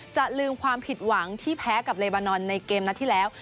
จะลืมความผิดหวังที่แพ้กับเลบานอนในเกมนัดที่แล้ว